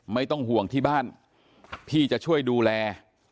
ไม่ต้องห่วงที่บ้านพี่จะช่วยดูแล